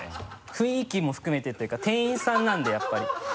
雰囲気も含めてというか店員さんなんでやっぱり。